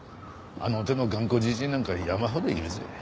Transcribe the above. あの手の頑固じじいなんか山ほどいるぜ。